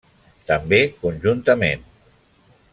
També conjuntament.